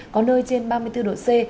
có nơi trên ba mươi bốn độ c